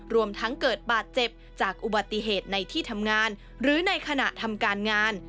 รวมทั้งเกิดบาดเจ็บจากอุบัติเหตุในที่ทำงานหรือในขณะทำการงาน